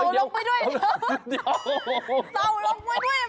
เต่าลบไปด้วย